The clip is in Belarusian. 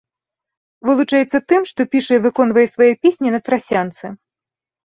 Вылучаецца тым, што піша і выконвае свае песні на трасянцы.